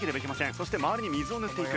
そして周りに水を塗っていく。